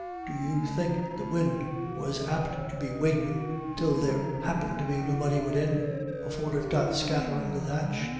D'you think the win' was apt to be waitin' till there happened to be nobody widin, afore it got scatterin' the thatch?